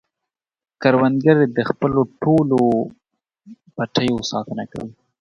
کروندګر د خپلو ټولو پټیو ساتنه کوي